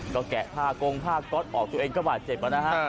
ก็แกะผ้ากงผ้าก๊อตออกตัวเองก็บาดเจ็บนะฮะ